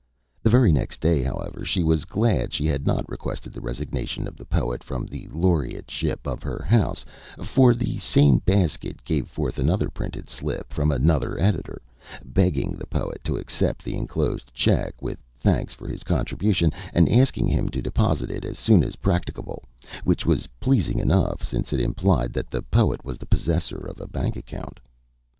The very next day, however, she was glad she had not requested the resignation of the poet from the laureateship of her house; for the same basket gave forth another printed slip from another editor, begging the poet to accept the enclosed check, with thanks for his contribution, and asking him to deposit it as soon as practicable which was pleasing enough, since it implied that the poet was the possessor of a bank account.